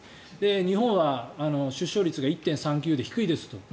日本は出生率が１．３９で低いですと。